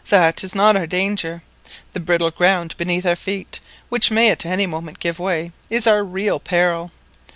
That is not our danger; the brittle ground beneath our feet, which may at any moment give way, is our real peril.